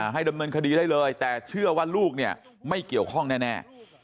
ให้ดำเนินคดีได้เลยแต่เชื่อว่าลูกเนี่ยไม่เกี่ยวข้องแน่